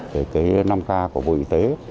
về cái năm k của bộ y tế